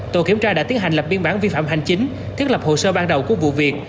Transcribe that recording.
tổ kiểm tra đã tiến hành lập biên bản vi phạm hành chính thiết lập hồ sơ ban đầu của vụ việc